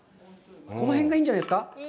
この辺がいいんじゃないですか。